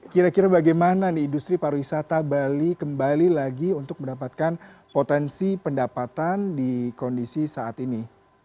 kira kira bagaimana nih industri pariwisata bali kembali lagi untuk mendapatkan potensi pendapatan di kondisi saat ini